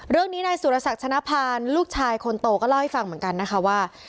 เรื่องนี้นายสุรศักดิ์ชนะพานลูกชายคนโตก็เล่าให้ฟังเหมือนกันนะคะว่า